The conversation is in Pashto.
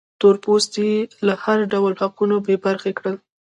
تور پوستي له هر ډول حقونو بې برخې کړل.